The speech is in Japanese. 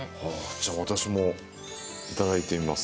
じゃ私もいただいてみます。